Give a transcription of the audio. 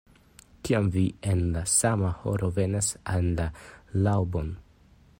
Kiam vi en la sama horo venos en la laŭbon.